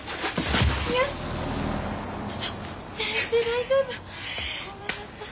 やっちょっと先生大丈夫？ごめんなさい。